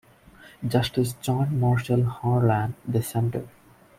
Justice John Marshall Harlan dissented.